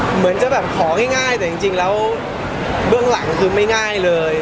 เหมือนจะแบบของ่ายแต่จริงแล้วเบื้องหลังคือไม่ง่ายเลย